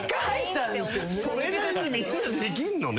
それなりにみんなできんのね。